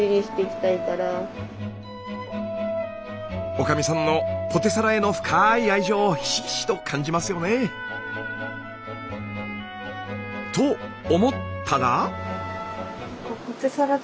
おかみさんのポテサラへの深い愛情をひしひしと感じますよね。と思ったら。